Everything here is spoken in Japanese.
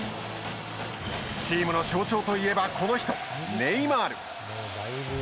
チームの象徴といえばこの人ネイマール。